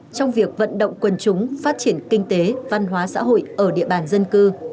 trong việc vận động quần chúng phát triển kinh tế văn hóa giáo hội ở địa bàn dân cư